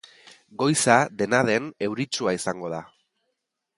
Goiza, dena den, euritsua izango da.